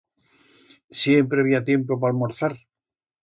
Siempre bi ha tiempo pa almorzar.